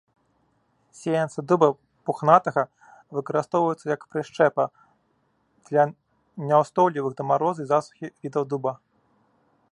Сеянцы дуба пухнатага выкарыстоўваюцца як прышчэпа для няўстойлівых да марозу і засухі відаў дуба.